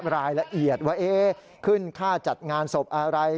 รายละเอียดว่าขึ้นค่าจัดงานศพอะไร